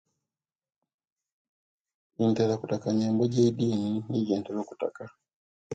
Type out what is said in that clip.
Ntera kutaka nyembo jeidini nijo jentera okutaka